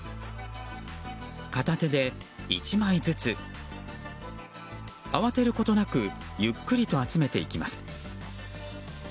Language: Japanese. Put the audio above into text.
片手で１枚ずつ、慌てることなくゆっくりと集めていきます。